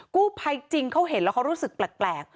กู้ภัยจริงเขาเห็นแล้วเขารู้สึกแปลก